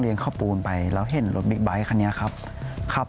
เรียนข้าวปูนไปแล้วเห็นรถบิ๊กไบต์ค่ะเนี่ยครับขับ